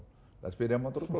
nah sepeda motor itu